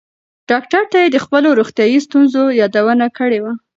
ډاکټر ته یې د خپلو روغتیایي ستونزو یادونه کړې وه.